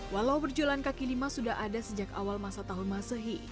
walau berjalan kaki lima sudah ada sejak awal masa tahun masehi